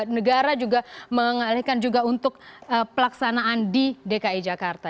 negara juga mengalihkan juga untuk pelaksanaan di dki jakarta